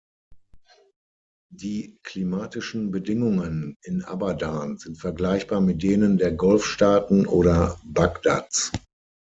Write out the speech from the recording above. Die klimatischen Bedingungen in Abadan sind vergleichbar mit denen der Golfstaaten oder Bagdads.